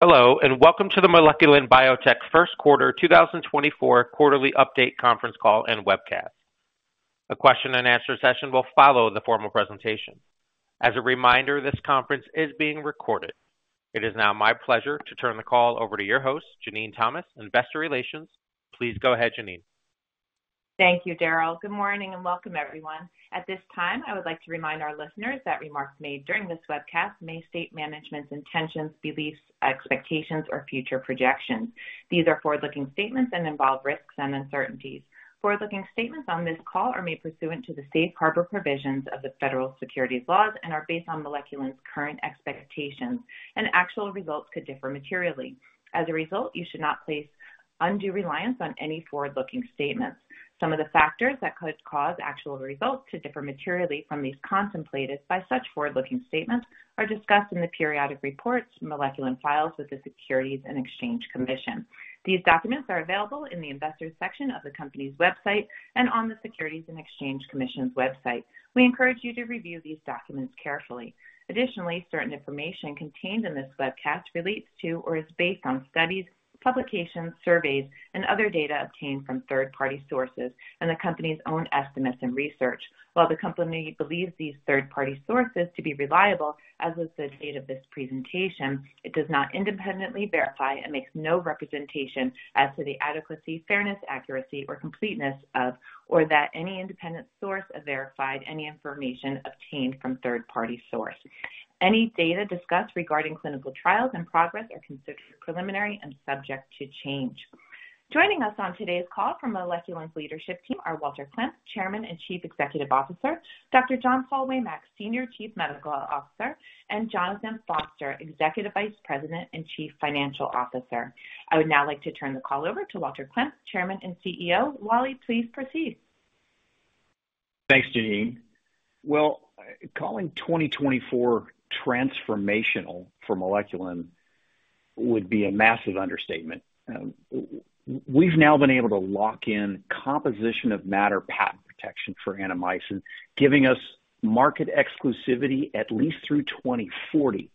Hello and welcome to the Moleculin Biotech first quarter 2024 quarterly update conference call and webcast. A question-and-answer session will follow the formal presentation. As a reminder, this conference is being recorded. It is now my pleasure to turn the call over to your host, Jenene Thomas, Investor Relations. Please go ahead, Jenene. Thank you, Daryl. Good morning and welcome, everyone. At this time, I would like to remind our listeners that remarks made during this webcast may state management's intentions, beliefs, expectations, or future projections. These are forward-looking statements and involve risks and uncertainties. Forward-looking statements on this call are made pursuant to the safe harbor provisions of the federal securities laws and are based on Moleculin's current expectations, and actual results could differ materially. As a result, you should not place undue reliance on any forward-looking statements. Some of the factors that could cause actual results to differ materially from these contemplated by such forward-looking statements are discussed in the periodic reports Moleculin files with the Securities and Exchange Commission. These documents are available in the Investors section of the company's website and on the Securities and Exchange Commission's website. We encourage you to review these documents carefully. Additionally, certain information contained in this webcast relates to or is based on studies, publications, surveys, and other data obtained from third-party sources and the company's own estimates and research. While the company believes these third-party sources to be reliable, as was the date of this presentation, it does not independently verify and makes no representation as to the adequacy, fairness, accuracy, or completeness of, or that any independent source have verified any information obtained from third-party source. Any data discussed regarding clinical trials and progress are considered preliminary and subject to change. Joining us on today's call from Moleculin's leadership team are Walter Klemp, Chairman and Chief Executive Officer, Dr. John Paul Waymack, Senior Chief Medical Officer, and Jonathan Foster, Executive Vice President and Chief Financial Officer. I would now like to turn the call over to Walter Klemp, Chairman and CEO. Wally, please proceed. Thanks, Jenene. Well, calling 2024 transformational for Moleculin would be a massive understatement. We've now been able to lock in composition of matter patent protection for Annamycin, giving us market exclusivity at least through 2040.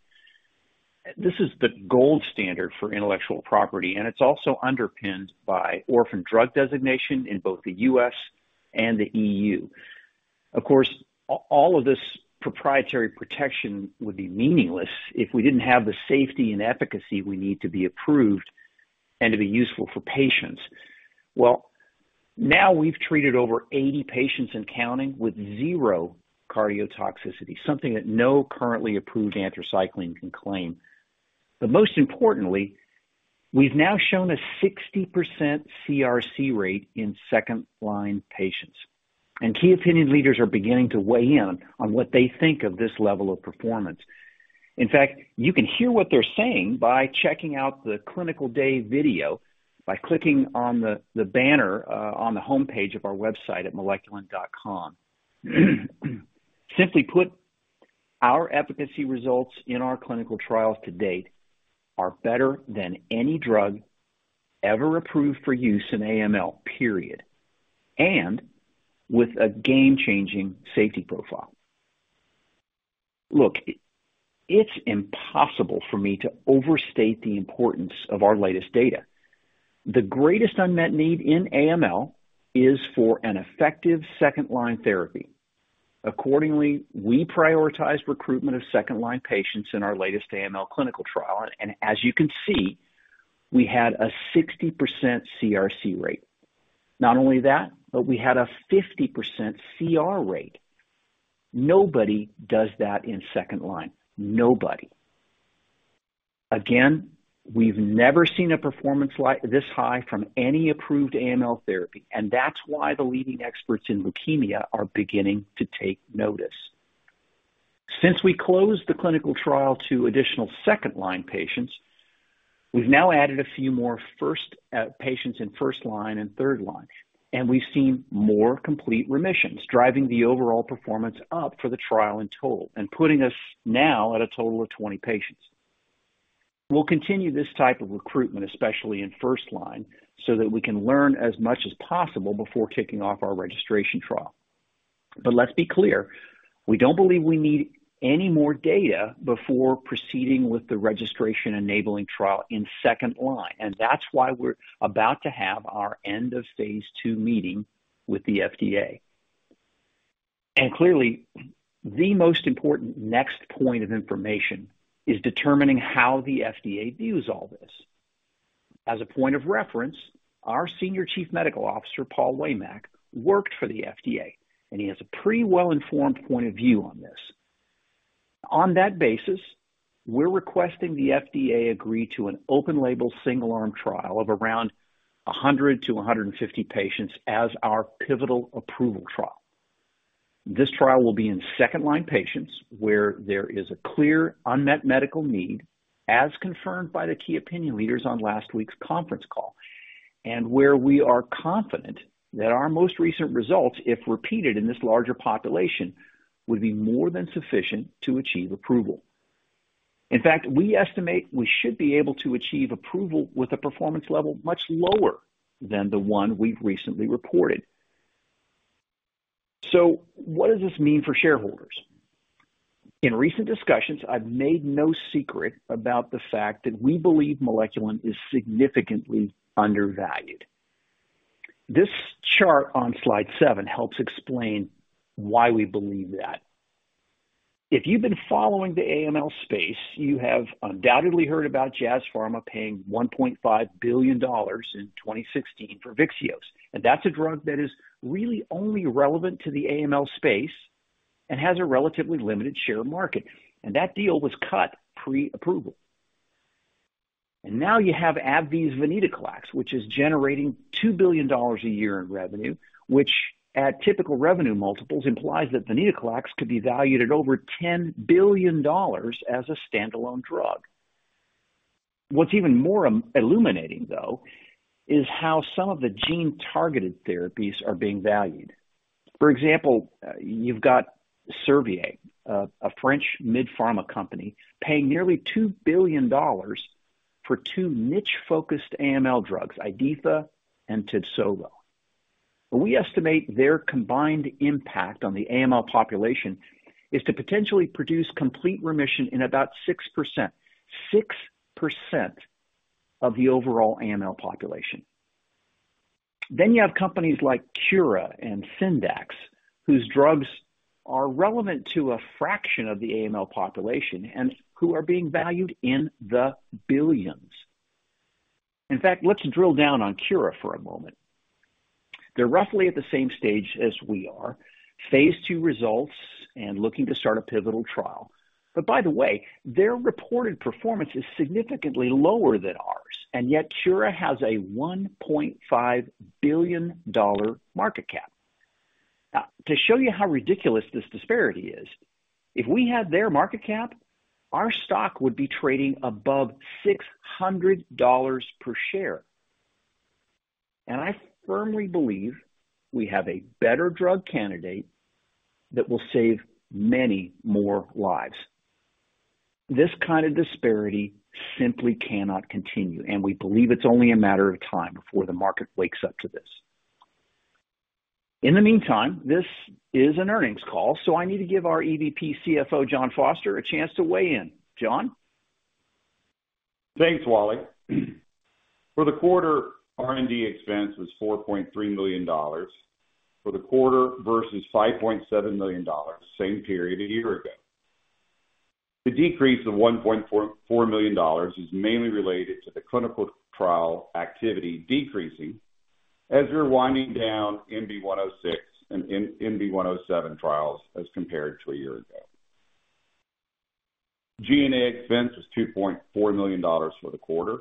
This is the gold standard for intellectual property, and it's also underpinned by orphan drug designation in both the U.S. and the EU. Of course, all of this proprietary protection would be meaningless if we didn't have the safety and efficacy we need to be approved and to be useful for patients. Well, now we've treated over 80 patients and counting with zero cardiotoxicity, something that no currently approved anthracycline can claim. But most importantly, we've now shown a 60% CRC rate in second-line patients, and key opinion leaders are beginning to weigh in on what they think of this level of performance. In fact, you can hear what they're saying by checking out the clinical day video, by clicking on the banner on the homepage of our website at moleculin.com. Simply put, our efficacy results in our clinical trials to date are better than any drug ever approved for use in AML, period, and with a game-changing safety profile. Look, it's impossible for me to overstate the importance of our latest data. The greatest unmet need in AML is for an effective second-line therapy. Accordingly, we prioritized recruitment of second-line patients in our latest AML clinical trial, and as you can see, we had a 60% CRC rate. Not only that, but we had a 50% CR rate. Nobody does that in second-line. Nobody. Again, we've never seen a performance this high from any approved AML therapy, and that's why the leading experts in leukemia are beginning to take notice. Since we closed the clinical trial to additional second-line patients, we've now added a few more patients in first-line and third-line, and we've seen more complete remissions, driving the overall performance up for the trial in total and putting us now at a total of 20 patients. We'll continue this type of recruitment, especially in first-line, so that we can learn as much as possible before kicking off our registration trial. But let's be clear, we don't believe we need any more data before proceeding with the registration-enabling trial in second-line, and that's why we're about to have our end-of-phase II meeting with the FDA. And clearly, the most important next point of information is determining how the FDA views all this. As a point of reference, our Senior Chief Medical Officer, Paul Waymack, worked for the FDA, and he has a pretty well-informed point of view on this. On that basis, we're requesting the FDA agree to an open-label single-arm trial of around 100-150 patients as our pivotal approval trial. This trial will be in second-line patients where there is a clear unmet medical need, as confirmed by the key opinion leaders on last week's conference call, and where we are confident that our most recent results, if repeated in this larger population, would be more than sufficient to achieve approval. In fact, we estimate we should be able to achieve approval with a performance level much lower than the one we've recently reported. So what does this mean for shareholders? In recent discussions, I've made no secret about the fact that we believe Moleculin is significantly undervalued. This chart on slide seven helps explain why we believe that. If you've been following the AML space, you have undoubtedly heard about Jazz Pharma paying $1.5 billion in 2016 for Vyxeos, and that's a drug that is really only relevant to the AML space and has a relatively limited market share. That deal was cut pre-approval. Now you have AbbVie's Venetoclax, which is generating $2 billion a year in revenue, which at typical revenue multiples implies that Venetoclax could be valued at over $10 billion as a standalone drug. What's even more illuminating, though, is how some of the gene-targeted therapies are being valued. For example, you've got Servier, a French mid-pharma company, paying nearly $2 billion for two niche-focused AML drugs, IDHIFA and TIBSOVO. We estimate their combined impact on the AML population is to potentially produce complete remission in about 6%, 6% of the overall AML population. Then you have companies like Kura and Syndax, whose drugs are relevant to a fraction of the AML population and who are being valued in the billions. In fact, let's drill down on Kura for a moment. They're roughly at the same stage as we are, phase II results, and looking to start a pivotal trial. But by the way, their reported performance is significantly lower than ours, and yet Kura has a $1.5 billion market cap. Now, to show you how ridiculous this disparity is, if we had their market cap, our stock would be trading above $600 per share. And I firmly believe we have a better drug candidate that will save many more lives. This kind of disparity simply cannot continue, and we believe it's only a matter of time before the market wakes up to this. In the meantime, this is an earnings call, so I need to give our EVP CFO, Jon Foster, a chance to weigh in. Jon? Thanks, Wally. For the quarter, R&D expense was $4.3 million for the quarter versus $5.7 million, same period a year ago. The decrease of $1.4 million is mainly related to the clinical trial activity decreasing as we're winding down MB-106 and MB-107 trials as compared to a year ago. G&A expense was $2.4 million for the quarter,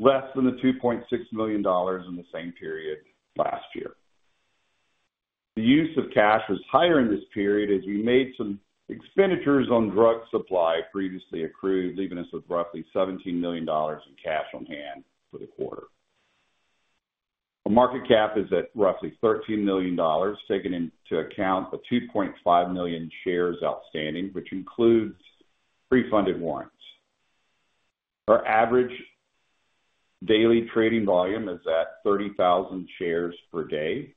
less than the $2.6 million in the same period last year. The use of cash was higher in this period as we made some expenditures on drug supply previously accrued, leaving us with roughly $17 million in cash on hand for the quarter. Our market cap is at roughly $13 million, taking into account the 2.5 million shares outstanding, which includes pre-funded warrants. Our average daily trading volume is at 30,000 shares per day.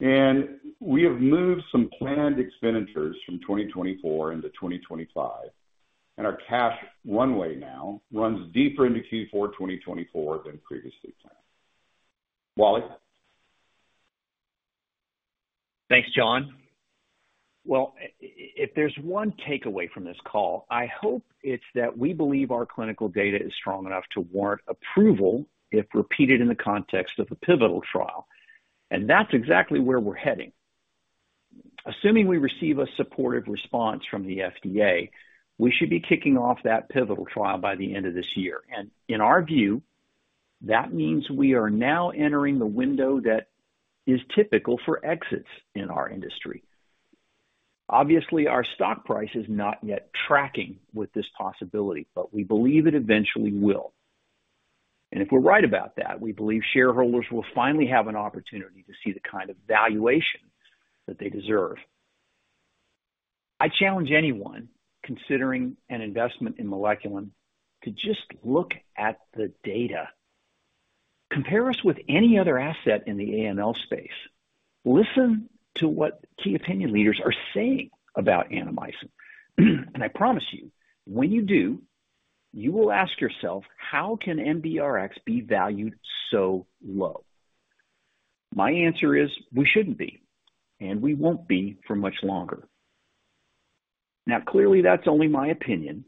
We have moved some planned expenditures from 2024 into 2025, and our cash runway now runs deeper into Q4 2024 than previously planned. Wally? Thanks, Jon. Well, if there's one takeaway from this call, I hope it's that we believe our clinical data is strong enough to warrant approval if repeated in the context of a pivotal trial. That's exactly where we're heading. Assuming we receive a supportive response from the FDA, we should be kicking off that pivotal trial by the end of this year. In our view, that means we are now entering the window that is typical for exits in our industry. Obviously, our stock price is not yet tracking with this possibility, but we believe it eventually will. If we're right about that, we believe shareholders will finally have an opportunity to see the kind of valuation that they deserve. I challenge anyone, considering an investment in Moleculin, to just look at the data. Compare us with any other asset in the AML space. Listen to what key opinion leaders are saying about Annamycin. And I promise you, when you do, you will ask yourself, "How can MBRX be valued so low?" My answer is, we shouldn't be, and we won't be for much longer. Now, clearly, that's only my opinion,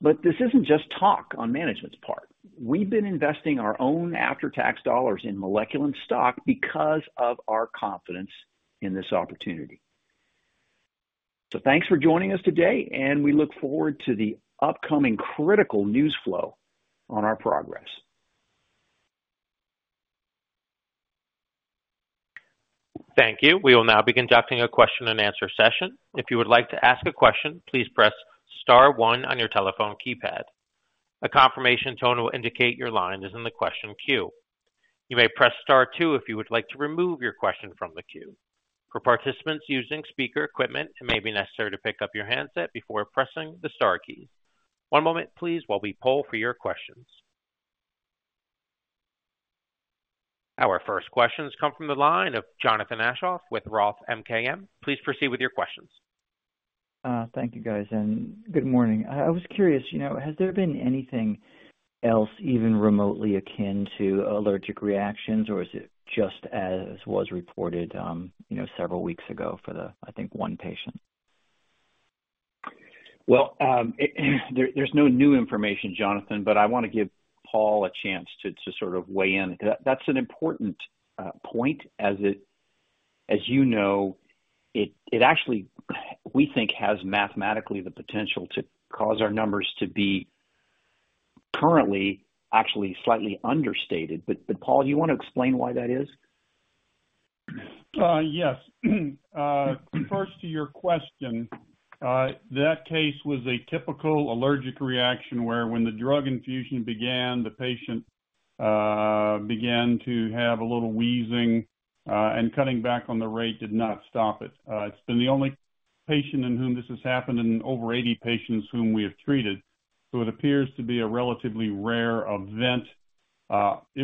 but this isn't just talk on management's part. We've been investing our own after-tax dollars in Moleculin stock because of our confidence in this opportunity. Thanks for joining us today, and we look forward to the upcoming critical news flow on our progress. Thank you. We will now be conducting a question-and-answer session. If you would like to ask a question, please press star one on your telephone keypad. A confirmation tone will indicate your line is in the question queue. You may press star two if you would like to remove your question from the queue. For participants using speaker equipment, it may be necessary to pick up your handset before pressing the star keys. One moment, please, while we poll for your questions. Our first questions come from the line of Jonathan Aschoff with ROTH MKM. Please proceed with your questions. Thank you, guys, and good morning. I was curious, has there been anything else, even remotely akin to allergic reactions, or is it just as was reported several weeks ago for the, I think, one patient? Well, there's no new information, Jonathan, but I want to give Paul a chance to sort of weigh in. That's an important point, as you know, it actually, we think, has mathematically the potential to cause our numbers to be currently actually slightly understated. But Paul, do you want to explain why that is? Yes. First, to your question, that case was a typical allergic reaction where when the drug infusion began, the patient began to have a little wheezing, and cutting back on the rate did not stop it. It's been the only patient in whom this has happened in over 80 patients whom we have treated, so it appears to be a relatively rare event.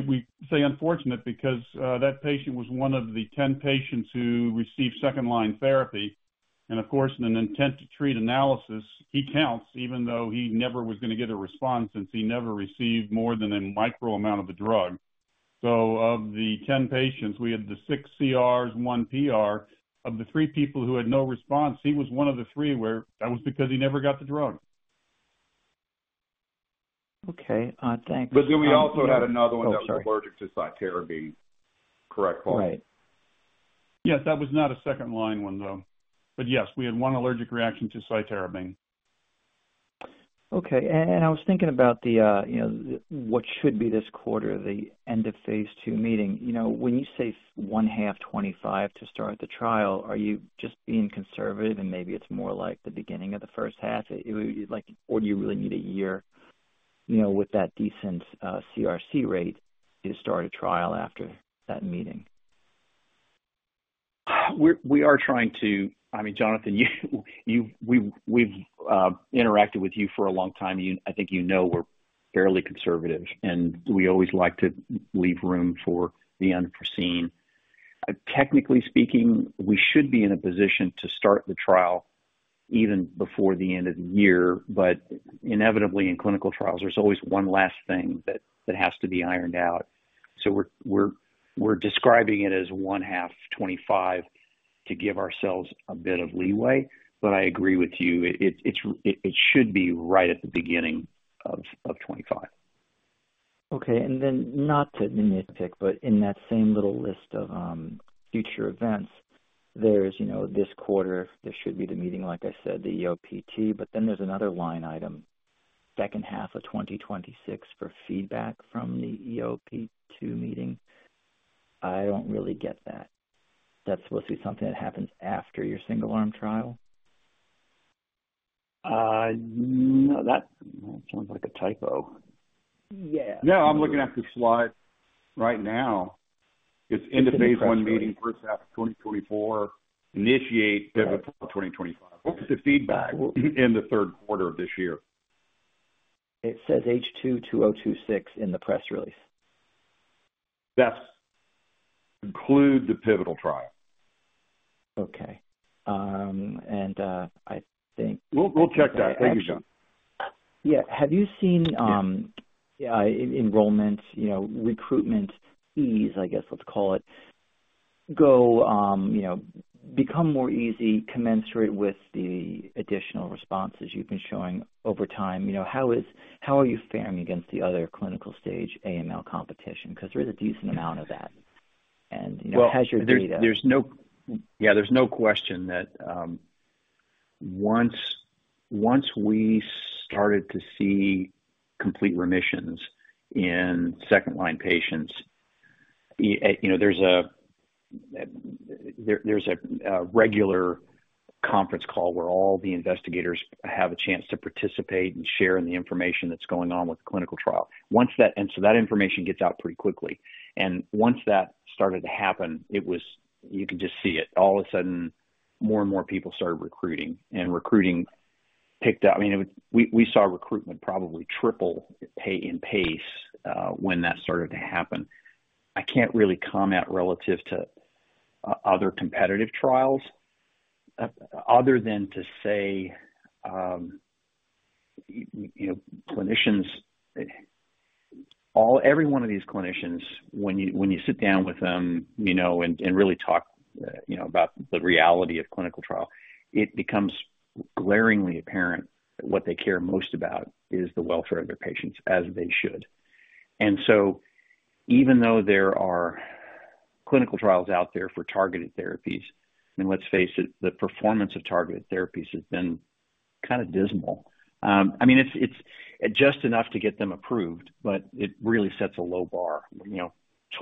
We say unfortunate because that patient was one of the 10 patients who received second-line therapy. And of course, in an intent-to-treat analysis, he counts, even though he never was going to get a response since he never received more than a micro amount of the drug. So of the 10 patients, we had the six CRs, one PR. Of the three people who had no response, he was one of the three where that was because he never got the drug. Okay. Thanks. But then we also had another one that was allergic to cytarabine. Correct, Paul? Right. Yes, that was not a second-line one, though. But yes, we had one allergic reaction to cytarabine. Okay. And I was thinking about what should be this quarter, the end-of-phase II meeting. When you say 1/2 2025 to start the trial, are you just being conservative, and maybe it's more like the beginning of the first half, or do you really need a year with that decent CRC rate to start a trial after that meeting? We are trying to—I mean, Jonathan, we've interacted with you for a long time. I think you know we're fairly conservative, and we always like to leave room for the unforeseen. Technically speaking, we should be in a position to start the trial even before the end of the year, but inevitably, in clinical trials, there's always one last thing that has to be ironed out. So we're describing it as 1/2 2025 to give ourselves a bit of leeway, but I agree with you, it should be right at the beginning of 2025. Okay. And then not to nitpick, but in that same little list of future events, there's this quarter, there should be the meeting, like I said, the EOP2, but then there's another line item, second half of 2026, for feedback from the EOP2 meeting. I don't really get that. That's supposed to be something that happens after your single-arm trial? No, that sounds like a typo. Yeah. No, I'm looking at the slide right now. It's end-of-phase I meeting, first half of 2024, initiate pivotal trial 2025. What's the feedback in the third quarter of this year? It says H2 2026 in the press release. That includes the pivotal trial. Okay. And I think. We'll check that. Thank you, Jon. Yeah. Have you seen enrollment, recruitment ease, I guess let's call it, become more easy, commensurate with the additional responses you've been showing over time? How are you faring against the other clinical-stage AML competition? Because there is a decent amount of that. And what has your data? Yeah, there's no question that once we started to see complete remissions in second-line patients, there's a regular conference call where all the investigators have a chance to participate and share in the information that's going on with the clinical trial. And so that information gets out pretty quickly. And once that started to happen, you could just see it. All of a sudden, more and more people started recruiting, and recruiting picked up. I mean, we saw recruitment probably triple in pace when that started to happen. I can't really comment relative to other competitive trials other than to say every one of these clinicians, when you sit down with them and really talk about the reality of clinical trial, it becomes glaringly apparent what they care most about is the welfare of their patients as they should. And so even though there are clinical trials out there for targeted therapies, I mean, let's face it, the performance of targeted therapies has been kind of dismal. I mean, it's just enough to get them approved, but it really sets a low bar,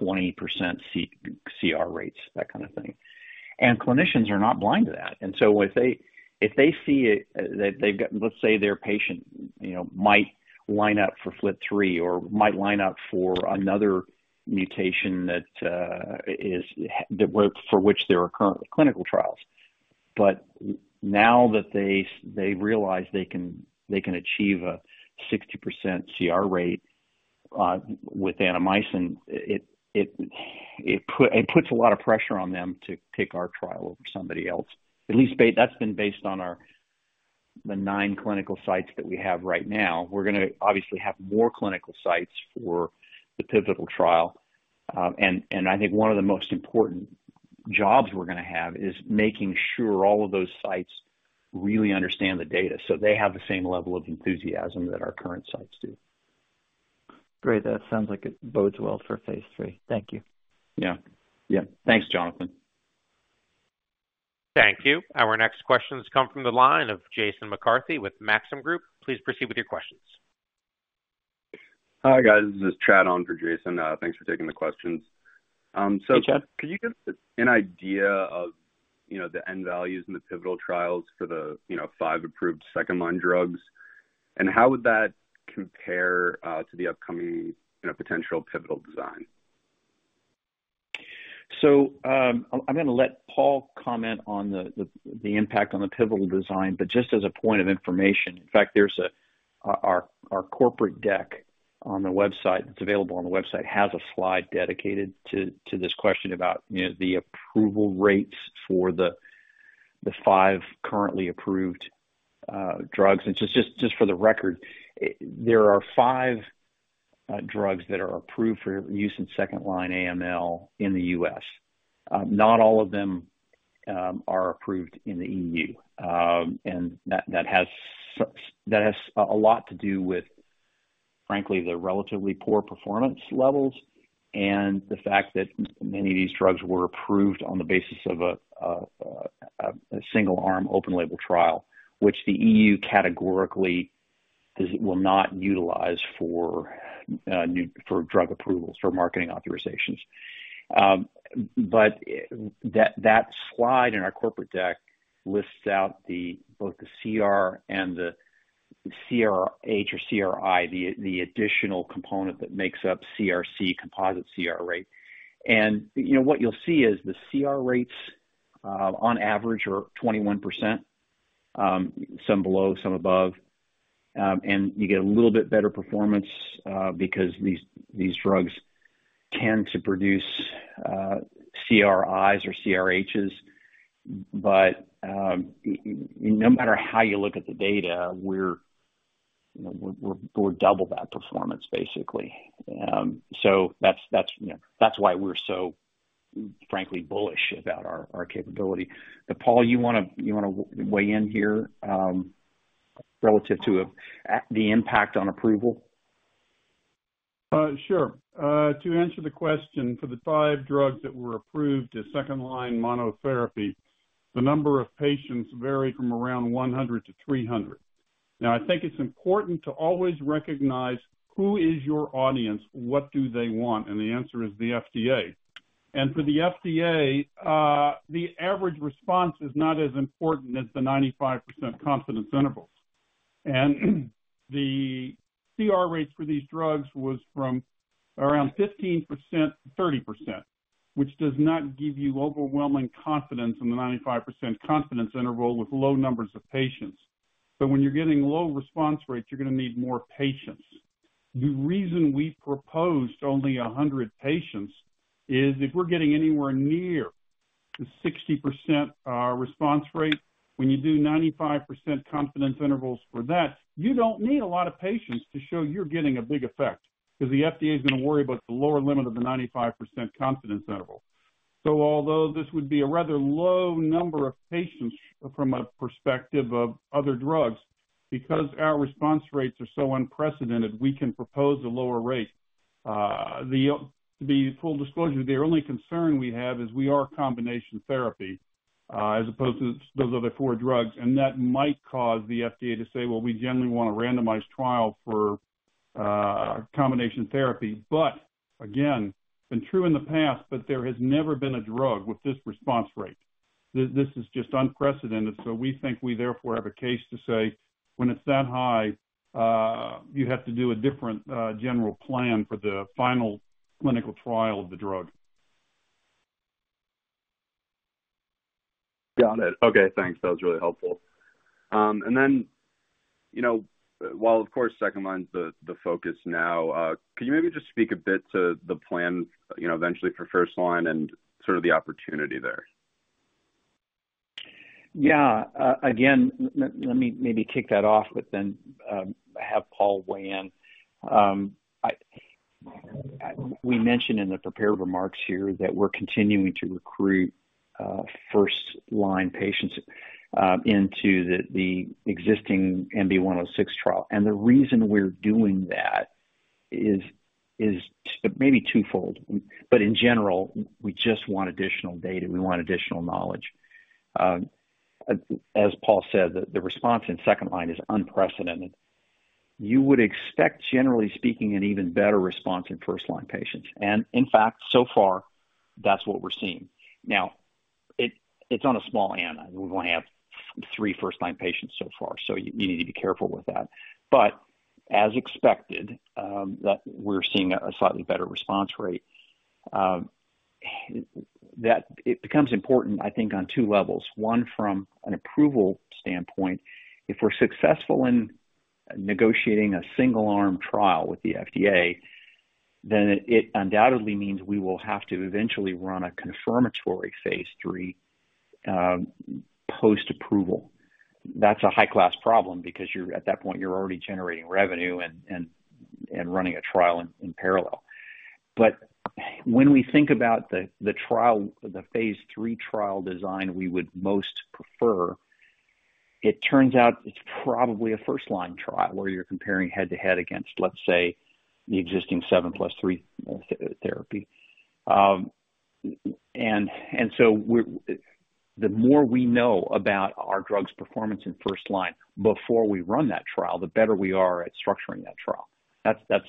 20% CR rates, that kind of thing. And clinicians are not blind to that. And so if they see that they've gotten let's say their patient might line up for FLT3 or might line up for another mutation for which there are currently clinical trials. But now that they realize they can achieve a 60% CR rate with Annamycin, it puts a lot of pressure on them to pick our trial over somebody else. At least that's been based on the nine clinical sites that we have right now. We're going to obviously have more clinical sites for the pivotal trial. I think one of the most important jobs we're going to have is making sure all of those sites really understand the data so they have the same level of enthusiasm that our current sites do. Great. That sounds like it bodes well for phase III. Thank you. Yeah. Yeah. Thanks, Jonathan. Thank you. Our next questions come from the line of Jason McCarthy with Maxim Group. Please proceed with your questions. Hi, guys. This is Chad on for Jason. Thanks for taking the questions. So. Hey, Chad. Could you give us an idea of the end values and the pivotal trials for the five approved second-line drugs? How would that compare to the upcoming potential pivotal design? So I'm going to let Paul comment on the impact on the pivotal design, but just as a point of information, in fact, our corporate deck on the website that's available on the website has a slide dedicated to this question about the approval rates for the five currently approved drugs. And just for the record, there are five drugs that are approved for use in second-line AML in the U.S. Not all of them are approved in the EU. And that has a lot to do with, frankly, the relatively poor performance levels and the fact that many of these drugs were approved on the basis of a single-arm open-label trial, which the EU categorically will not utilize for drug approvals, for marketing authorizations. But that slide in our corporate deck lists out both the CR and the CRH or CRI, the additional component that makes up CRC, composite CR rate. And what you'll see is the CR rates, on average, are 21%, some below, some above. And you get a little bit better performance because these drugs tend to produce CRIs or CRHs. But no matter how you look at the data, we're double that performance, basically. So that's why we're so, frankly, bullish about our capability. But Paul, you want to weigh in here relative to the impact on approval? Sure. To answer the question, for the five drugs that were approved as second-line monotherapy, the number of patients varied from around 100-300. Now, I think it's important to always recognize who is your audience, what do they want, and the answer is the FDA. And for the FDA, the average response is not as important as the 95% confidence intervals. And the CR rates for these drugs were from around 15%-30%, which does not give you overwhelming confidence in the 95% confidence interval with low numbers of patients. So when you're getting low response rates, you're going to need more patients. The reason we proposed only 100 patients is if we're getting anywhere near the 60% response rate, when you do 95% confidence intervals for that, you don't need a lot of patients to show you're getting a big effect because the FDA is going to worry about the lower limit of the 95% confidence interval. So although this would be a rather low number of patients from a perspective of other drugs, because our response rates are so unprecedented, we can propose a lower rate. To be full disclosure, the only concern we have is we are combination therapy as opposed to those other four drugs. And that might cause the FDA to say, "Well, we generally want a randomized trial for combination therapy." But again, been true in the past, but there has never been a drug with this response rate. This is just unprecedented. So we think we, therefore, have a case to say when it's that high, you have to do a different general plan for the final clinical trial of the drug. Got it. Okay. Thanks. That was really helpful. And then, while of course second-line's the focus now, could you maybe just speak a bit to the plan eventually for first-line and sort of the opportunity there? Yeah. Again, let me maybe kick that off, but then have Paul weigh in. We mentioned in the prepared remarks here that we're continuing to recruit first-line patients into the existing MB-106 trial. And the reason we're doing that is maybe twofold. But in general, we just want additional data. We want additional knowledge. As Paul said, the response in second-line is unprecedented. You would expect, generally speaking, an even better response in first-line patients. And in fact, so far, that's what we're seeing. Now, it's on a small n. We've only had three first-line patients so far, so you need to be careful with that. But as expected, that we're seeing a slightly better response rate, it becomes important, I think, on two levels. One from an approval standpoint, if we're successful in negotiating a single-arm trial with the FDA, then it undoubtedly means we will have to eventually run a confirmatory phase III post-approval. That's a high-class problem because at that point, you're already generating revenue and running a trial in parallel. But when we think about the phase III trial design we would most prefer, it turns out it's probably a first-line trial where you're comparing head-to-head against, let's say, the existing 7+3 therapy. And so the more we know about our drug's performance in first-line before we run that trial, the better we are at structuring that trial. That's,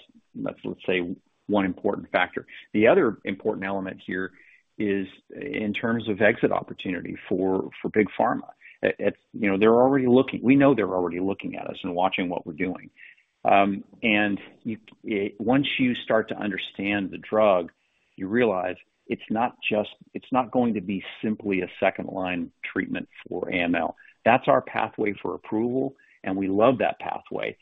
let's say, one important factor. The other important element here is in terms of exit opportunity for big pharma. They're already looking. We know they're already looking at us and watching what we're doing. Once you start to understand the drug, you realize it's not going to be simply a second-line treatment for AML. That's our pathway for approval, and we love that pathway.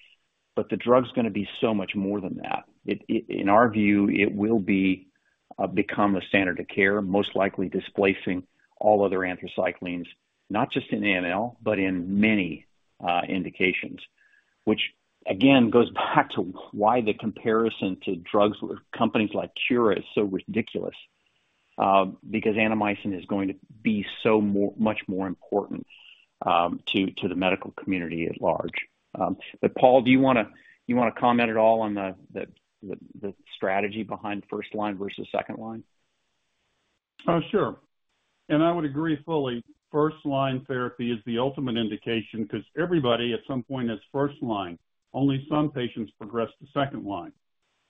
But the drug's going to be so much more than that. In our view, it will become the standard of care, most likely displacing all other anthracyclines, not just in AML, but in many indications, which, again, goes back to why the comparison to drugs with companies like Kura is so ridiculous because Annamycin is going to be so much more important to the medical community at large. But Paul, do you want to comment at all on the strategy behind first-line versus second-line? Sure. I would agree fully. First-line therapy is the ultimate indication because everybody at some point is first-line. Only some patients progress to second-line.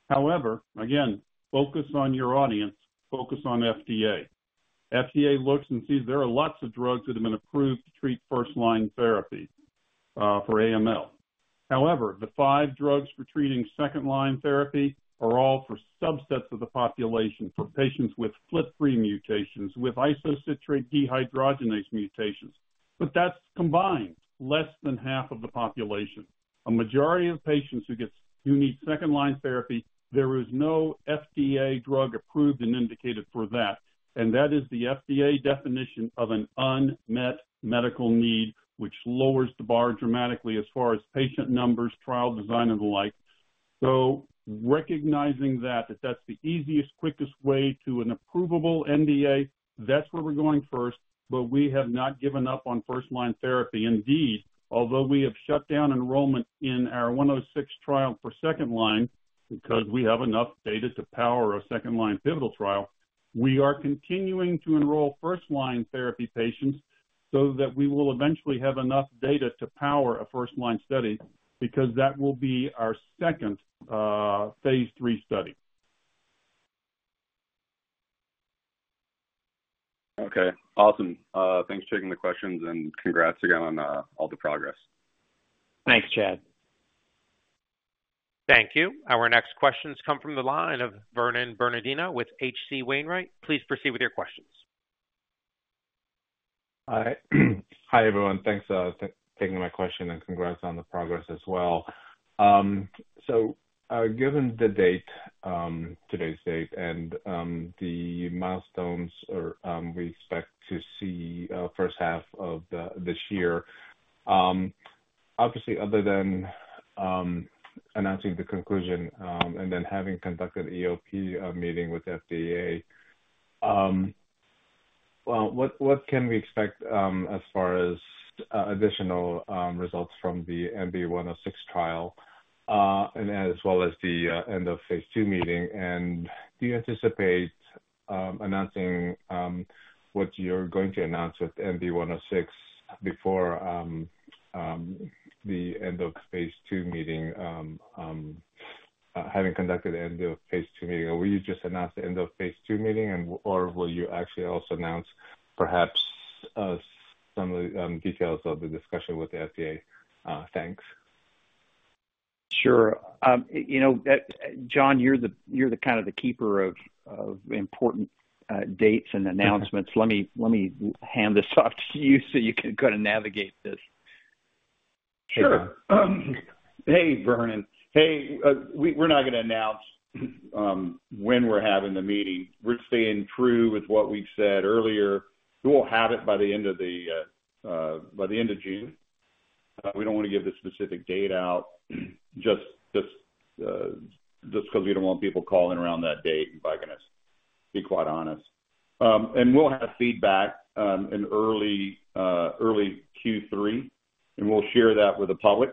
However, again, focus on your audience. Focus on FDA. FDA looks and sees there are lots of drugs that have been approved to treat first-line therapy for AML. However, the five drugs for treating second-line therapy are all for subsets of the population, for patients with FLT3 mutations, with isocitrate dehydrogenase mutations. But that's combined less than half of the population. A majority of patients who need second-line therapy, there is no FDA drug approved and indicated for that. And that is the FDA definition of an unmet medical need, which lowers the bar dramatically as far as patient numbers, trial design, and the like. So recognizing that, that's the easiest, quickest way to an approvable NDA, that's where we're going first. But we have not given up on first-line therapy. Indeed, although we have shut down enrollment in our 106 trial for second-line because we have enough data to power a second-line pivotal trial, we are continuing to enroll first-line therapy patients so that we will eventually have enough data to power a first-line study because that will be our second phase III study. Okay. Awesome. Thanks for taking the questions, and congrats again on all the progress. Thanks, Chad. Thank you. Our next questions come from the line of Vernon Bernardino with H.C. Wainwright. Please proceed with your questions. Hi, everyone. Thanks for taking my question, and congrats on the progress as well. So given today's date and the milestones we expect to see first half of this year, obviously, other than announcing the conclusion and then having conducted EOP meeting with the FDA, what can we expect as far as additional results from the MB-106 trial as well as the end of phase II meeting? And do you anticipate announcing what you're going to announce with MB-106 before the end of phase II meeting, having conducted the end of phase II meeting? Or will you just announce the end of phase II meeting, or will you actually also announce perhaps some details of the discussion with the FDA? Thanks. Sure. Jon, you're kind of the keeper of important dates and announcements. Let me hand this off to you so you can kind of navigate this. Sure. Hey, Vernon. Hey, we're not going to announce when we're having the meeting. We're staying true with what we've said earlier. We will have it by the end of June. We don't want to give the specific date out just because we don't want people calling around that date. And by goodness, be quite honest. And we'll have feedback in early Q3, and we'll share that with the public.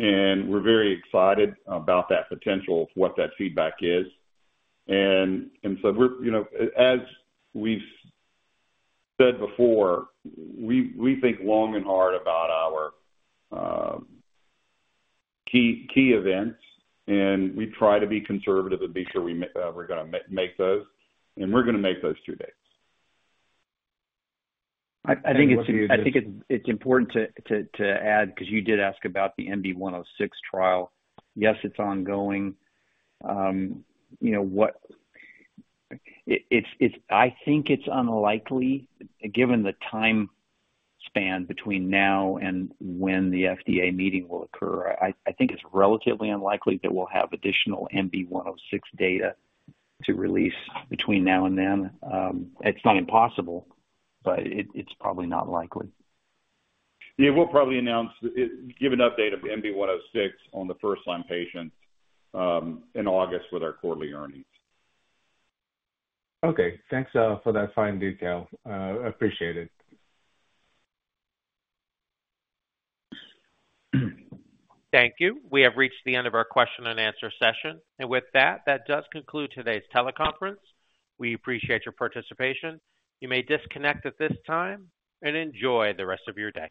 And we're very excited about that potential, what that feedback is. And so as we've said before, we think long and hard about our key events, and we try to be conservative and be sure we're going to make those. And we're going to make those two dates. I think it's important to add because you did ask about the MB-106 trial. Yes, it's ongoing. I think it's unlikely, given the time span between now and when the FDA meeting will occur, I think it's relatively unlikely that we'll have additional MB-106 data to release between now and then. It's not impossible, but it's probably not likely. Yeah. We'll probably announce give an update of MB-106 on the first-line patients in August with our quarterly earnings. Okay. Thanks for that fine detail. Appreciate it. Thank you. We have reached the end of our question-and-answer session. With that, that does conclude today's teleconference. We appreciate your participation. You may disconnect at this time and enjoy the rest of your day.